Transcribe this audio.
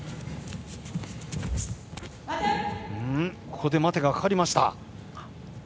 ここで待てがかかりました。